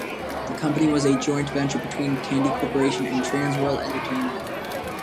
The company was a joint venture between Tandy Corporation and Trans World Entertainment.